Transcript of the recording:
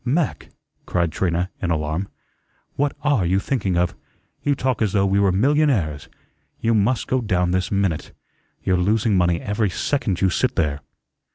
"Mac," cried Trina, in alarm, "what are you thinking of? You talk as though we were millionaires. You must go down this minute. You're losing money every second you sit there."